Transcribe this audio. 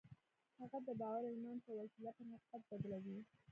هغه د باور او ايمان په وسيله پر حقيقت بدلوي.